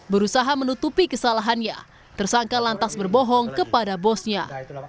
berusaha menutupi kesalahannya tersangka lantas berbohong kepada bosnya